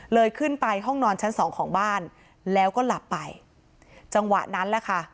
ขึ้นไปห้องนอนชั้นสองของบ้านแล้วก็หลับไปจังหวะนั้นแหละค่ะ